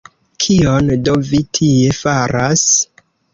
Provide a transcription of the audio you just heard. Kion do vi tie faras?